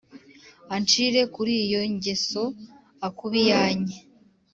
ancire kuriyo jyeso akubiyanye